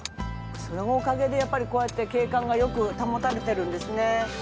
そのおかげでやっぱりこうやって景観が良く保たれてるんですね。